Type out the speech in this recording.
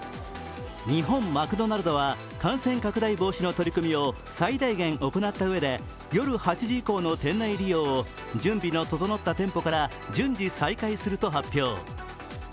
日本マクドナルドは感染拡大の取り組みを最大限行ったうえで夜８時以降の店内利用を準備が整った店舗から順次再開すると発表。